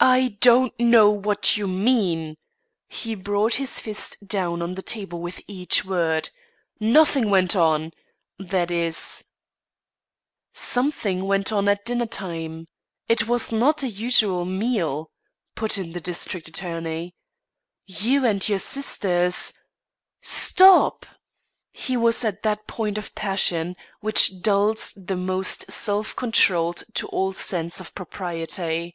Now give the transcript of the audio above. "I don't know what you mean." He brought his fist down on the table with each word. "Nothing went on. That is, " "Something went on at dinner time. It was not a usual meal," put in the district attorney. "You and your sisters " "Stop!" He was at that point of passion which dulls the most self controlled to all sense of propriety.